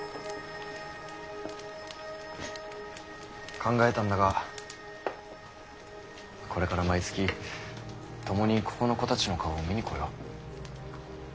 考えたんだがこれから毎月共にここの子たちの顔を見に来よう。